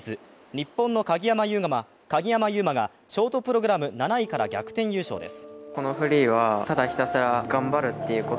日本の鍵山優真がショートプログラム７位から逆転優勝です。